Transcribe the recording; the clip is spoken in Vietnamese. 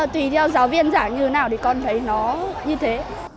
tùy theo giáo viên giả như thế nào thì con thấy nó như thế